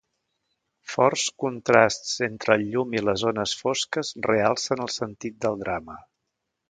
Forts contrasts entre el llum i les zones fosques realcen el sentit del drama.